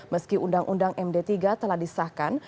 meski undang undang md tiga telah disahkan